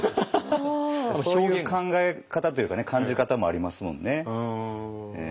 そういう考え方というかね感じ方もありますもんね。